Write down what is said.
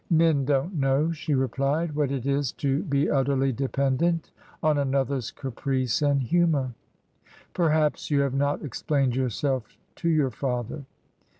"Men don't know," she replied, "what it is to be utterly dependent on another's caprice and humour." "Perhaps you have not explained yourself to your father."